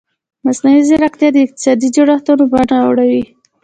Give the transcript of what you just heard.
مصنوعي ځیرکتیا د اقتصادي جوړښتونو بڼه اړوي.